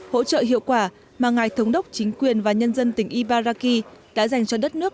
hỗ trợ hiệu quả mà ngài thống đốc chính quyền và nhân dân tỉnh ibaraki đã dành cho đất nước